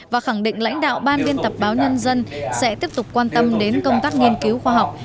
và khẳng định lãnh đạo ban biên tập báo nhân dân sẽ tiếp tục quan tâm đến công tác nghiên cứu khoa học